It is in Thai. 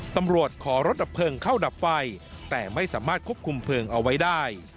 ตำรวจขอรถดับเพลิงเข้าดับไฟแต่ไม่สามารถควบคุมเพลิงเอาไว้ได้